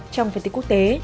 trong phần tiết quốc tế